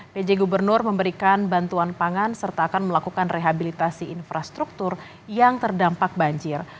pj gubernur memberikan bantuan pangan serta akan melakukan rehabilitasi infrastruktur yang terdampak banjir